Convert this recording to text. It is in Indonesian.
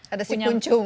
ada si kuncung